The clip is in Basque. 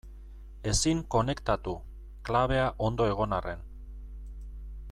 Ezin konektatu, klabea ondo egon arren.